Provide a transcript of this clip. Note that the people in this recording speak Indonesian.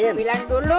ini dulu bilang dulu